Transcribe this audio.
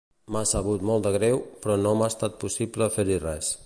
M'ha sabut molt de greu, però no m'ha estat possible fer-hi res.